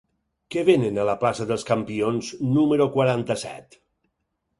Què venen a la plaça dels Campions número quaranta-set?